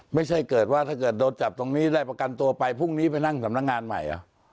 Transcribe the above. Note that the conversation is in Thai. ไม่ใช่เกิดว่าถ้าเกิดโดนจับตรงนี้ได้ประกันตัวไปพรุ่งนี้ไปนั่งสำนักงานใหม่เหรอ